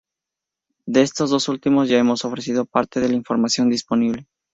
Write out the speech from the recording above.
De estos dos últimos ya hemos ofrecido parte de la información disponible.